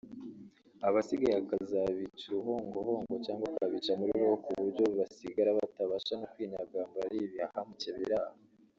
abasigaye akazabica uruhongohongo cyangwa akabica muri roho ku buryo basigara batabasha no kwinyagambura ari ibihahamuke biraho